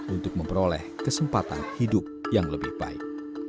untuk memperoleh kesempatan hidup yang lebih baik